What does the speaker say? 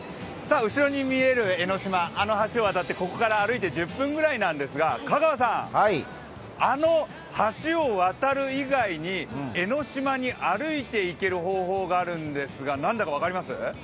後ろに見えるあの橋が見えますがここから歩いて１０分ぐらいなんですが、香川さん、あの橋を渡る以外に江の島に歩いて行ける方法があるんですが、何だか分かります？